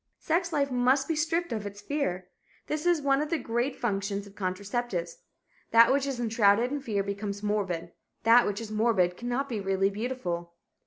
Sex life must be stripped of its fear. This is one of the great functions of contraceptives. That which is enshrouded in fear becomes morbid. That which is morbid cannot be really beautiful.